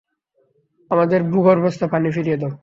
আমাদের ভূগর্ভস্থ পানি ফিরিয়ে দাও।